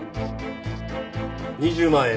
２０万円。